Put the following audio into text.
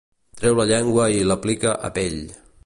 Treu la llengua i l'aplica “a pell”.